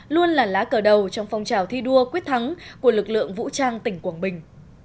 luôn là lá cờ đầu trong phong trào thi đua quyết thắng của lực lượng vũ trang tỉnh quảng bình